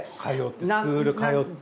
スクール通って。